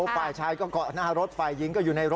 ฝ่ายชายก็เกาะหน้ารถฝ่ายหญิงก็อยู่ในรถ